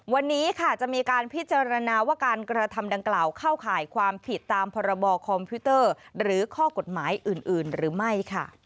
วันนี้ค่ะจะมีการพิจารณาว่าการกระทำดังกล่าวเข้าข่ายความผิดตามพรบคอมพิวเตอร์หรือข้อกฎหมายอื่นหรือไม่ค่ะ